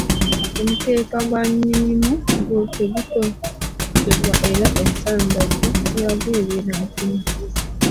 Omukeeka gwa nnyinimu gwo tegutobekebwa era ensandaggo yaagwo ebeera nfumbe.